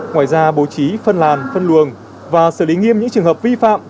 ngoài ra bố trí phân làn phân luồng và xử lý nghiêm những trường hợp vi phạm